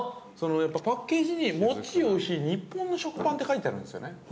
◆やっぱりパッケージにもっちりおいしい日本の食パンって書いてあるんですよね。